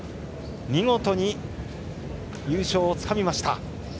見事に優勝をつかみました。